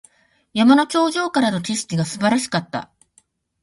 山の頂上からの景色が素晴らしかった。